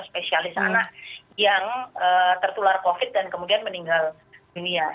spesialis anak yang tertular covid dan kemudian meninggal dunia